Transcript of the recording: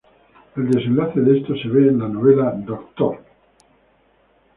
El desenlace de esto se ve en la novela "Dr.